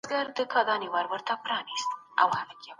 موږ به په راتلونکي کې د سياست او سياستپوهنې توپير په ګوته کړو.